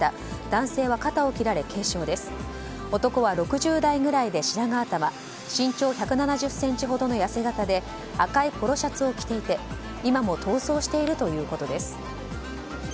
男は６０代ぐらいで白髪頭身長１７０ｃｍほどの痩せ形で赤いポロシャツを着ていて今も逃走しているということです。